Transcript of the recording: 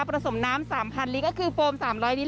สมน้ำ๓๐๐ลิตรก็คือโฟม๓๐๐ลิตร